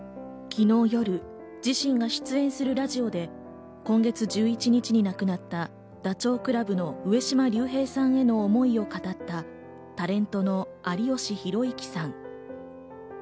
昨日夜、自身が出演するラジオで今月１１日に亡くなったダチョウ倶楽部の上島竜兵さんへの思いを語ったタレントの有吉弘行さん。